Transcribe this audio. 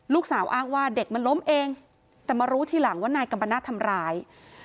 อ้างว่าเด็กมันล้มเองแต่มารู้ทีหลังว่านายกัมปนาศทำร้าย